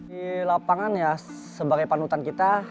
di lapangan ya sebagai panutan kita